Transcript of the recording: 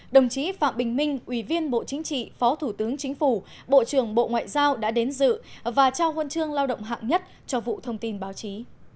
đồng chí phạm bình minh ủy viên bộ chính trị phó thủ tướng chính phủ bộ trưởng bộ ngoại giao đã đến dự và trao huân chương lao động hạng nhất cho vụ thông tin báo chí